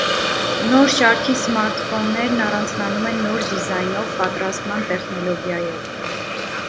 Նոր շարքի սմարթֆոններն առանձնանում են նոր դիզայնով, պատրաստման տեխնոլոգիայով։